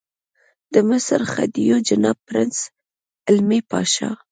د مصر خدیو جناب پرنس حلمي پاشا.